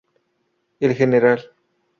El ""Gral.